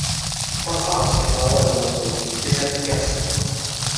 When asked if Lalonde was home, she said yes.